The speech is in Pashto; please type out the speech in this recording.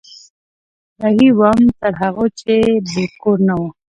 رهي وم تر هغو چې بل کور نه و